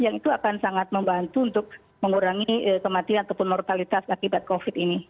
yang itu akan sangat membantu untuk mengurangi kematian ataupun mortalitas akibat covid ini